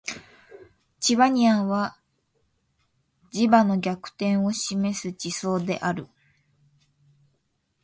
チバニアンは磁場の逆転を示す地層である